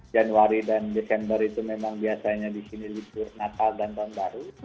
januari dan desember itu memang biasanya di sini libur natal dan tahun baru